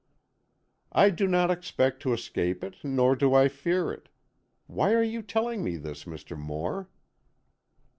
"I do not expect to escape it, nor do I fear it. Why are you telling me this, Mr. Moore?"